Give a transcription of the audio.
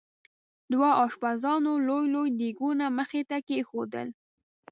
دوه اشپزانو لوی لوی دیګونه مخې ته کېښودل.